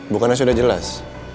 bukannya sudah jelas